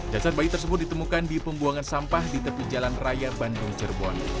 jasad bayi tersebut ditemukan di pembuangan sampah di tepi jalan raya bandung cirebon